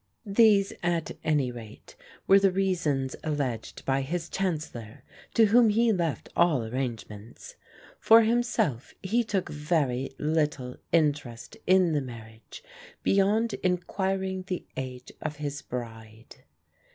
These, at any rate, were the reasons alleged by his Chancellor, to whom he left all arrangements. For himself, he took very little interest in the marriage beyond inquiring the age of his bride.